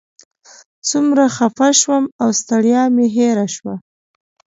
څومره خفه شوم او ستړیا مې هېره شوه.